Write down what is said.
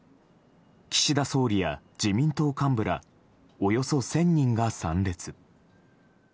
岸田総理や自民党幹部らおよそ１０００人が参列。